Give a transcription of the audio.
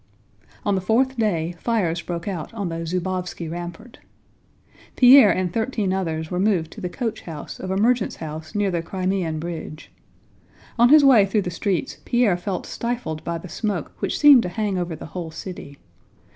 On the fourth day fires broke out on the Zúbovski rampart. Pierre and thirteen others were moved to the coach house of a merchant's house near the Crimean bridge. On his way through the streets Pierre felt stifled by the smoke which seemed to hang over the whole city.